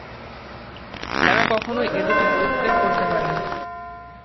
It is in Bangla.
তারা কখনই এ-দুটি পরিত্যাগ করতে পারে না।